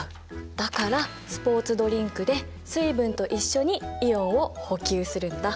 だからスポーツドリンクで水分と一緒にイオンを補給するんだ。